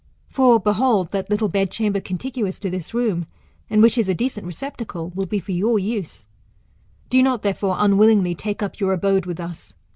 For, behold that little bedchamber contiguous to this room, and which is a decent receptacle, will h6 for your use. Do not therefore unwillingly take up your abode with us.